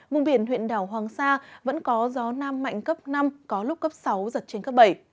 vùng biển huyện đảo hoàng sa vẫn có gió nam mạnh cấp năm có lúc cấp sáu giật trên cấp bảy